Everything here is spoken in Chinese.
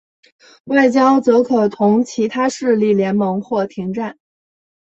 外交则可同其他势力结盟或停战。